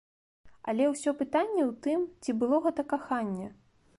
Але ўсё пытанне ў тым, ці было гэта каханне.